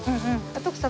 徳さんは？